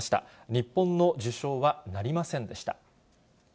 日本の受賞はなりませんでした。